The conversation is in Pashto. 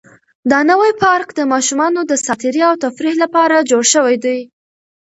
دا نوی پارک د ماشومانو د ساتیرۍ او تفریح لپاره جوړ شوی دی.